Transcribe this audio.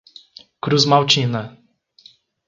Cruzmaltina